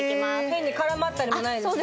変に絡まったりもないですしね